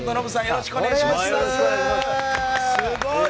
よろしくお願いします。